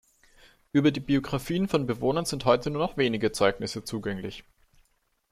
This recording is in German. Über die Biografien von Bewohnern sind heute nur noch wenige Zeugnisse zugänglich.